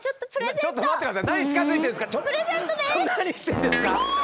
ちょっと待って下さい。